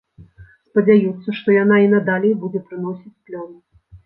Спадзяюцца, што яна і надалей будзе прыносіць плён.